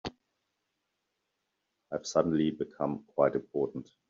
I've suddenly become quite important.